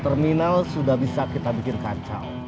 terminal sudah bisa kita bikin kacau